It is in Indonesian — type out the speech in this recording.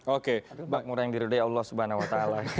oke makmur yang dirudai allah swt